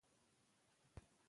هغه نجلۍ چې ناروغه وه ښه شوه.